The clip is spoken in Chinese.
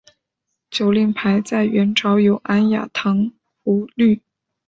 酒令牌在元朝有安雅堂觥律。